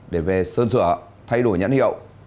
để về sơn sửa thay đổi nhãn hiệu